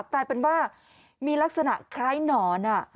กลายเป็นว่ามีลักษณะคล้ายหนอน